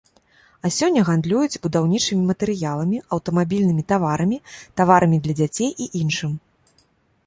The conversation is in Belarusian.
А сёння гандлююць будаўнічымі матэрыяламі, аўтамабільнымі таварамі, таварамі для дзяцей і іншым.